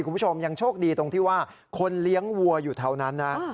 คุณผู้ชมยังโชคดีตรงที่ว่าคนเลี้ยงวัวอยู่แถวนั้นนะ